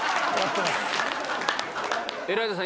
エライザさん